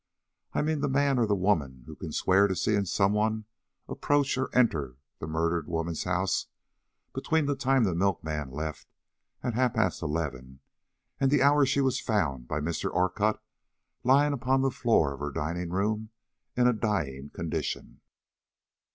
I mean the man or the woman who can swear to seeing some one approach or enter the murdered woman's house between the time the milkman left it at half past eleven and the hour she was found by Mr. Orcutt, lying upon the floor of her dining room in a dying condition.